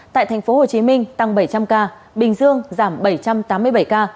tại tp hcm tăng bảy trăm linh ca bình dương giảm bảy trăm tám mươi bảy ca